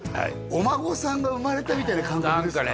お孫さんが生まれたみたいな感覚ですか？